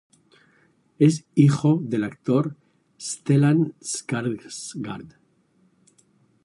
Es hijo del actor Stellan Skarsgård.